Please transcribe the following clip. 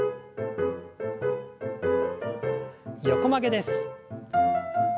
横曲げです。